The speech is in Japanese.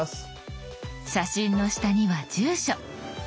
写真の下には住所。